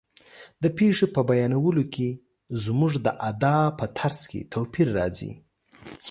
د پېښې په بیانولو کې زموږ د ادا په طرز کې توپیر راځي.